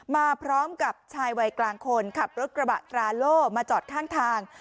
มาพร้อมกับชายวัยกลางคนขับรถกระบะตราโล่มาจอดข้างทาง